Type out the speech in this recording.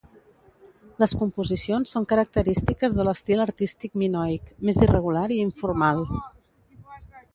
Les composicions són característiques de l'estil artístic minoic, més irregular i informal.